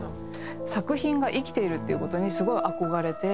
作品が生きているっていう事にすごい憧れて。